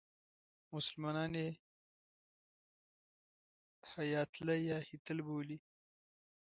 مسلمانان یې هیاتله یا هیتل بولي.